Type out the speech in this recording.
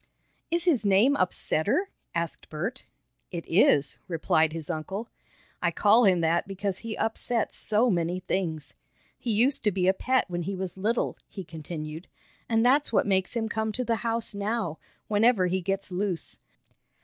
"Is his name Upsetter?" asked Bert. "It is," replied his uncle. "I call him that because he upsets so many things. He used to be a pet when he was little," he continued, "and that's what makes him come to the house now, whenever he gets loose.